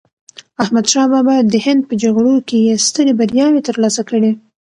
احمد شاه بابا د هند په جګړو کې یې سترې بریاوې ترلاسه کړې.